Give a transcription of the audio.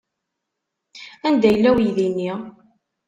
Anda yella uydi-nni?